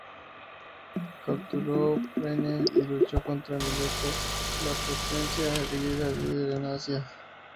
Capturó Priene y luchó contra Mileto, la potencia griega líder en Asia.